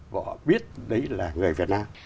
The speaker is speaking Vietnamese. và họ biết đấy là người việt nam